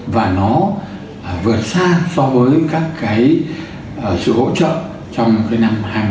và nó vượt xa so với các cái sự hỗ trợ trong cái năm hai nghìn hai mươi ba